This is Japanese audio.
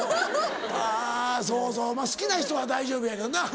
あそうそうまぁ好きな人は大丈夫やけどな。